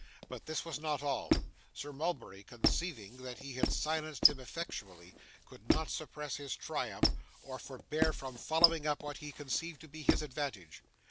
But this was not all. Sir Mulberry, conceiving that he had silenced him effectually, could not suppress his triumph, or forbear from following up what he conceived to be his advantage.